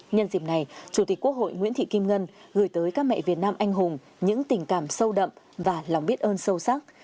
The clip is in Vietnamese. nhân dịp này chủ tịch quốc hội nguyễn thị kim ngân gửi tới các mẹ việt nam anh hùng những tình cảm sâu đậm và lòng biết ơn sâu sắc